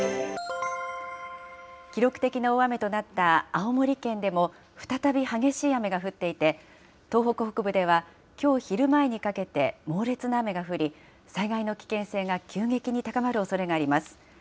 記録的な大雨となった青森県でも再び激しい雨が降っていて、東北北部では、きょう昼前にかけて、猛烈な雨が降り、災害の危険性が急激に高まるおそれがあります。